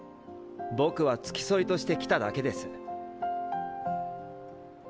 僕は付き添いとして来ただけです。